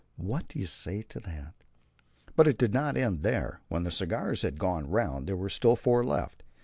What do you say to that? But it did not end there. When the cigars had gone round, there were still four left.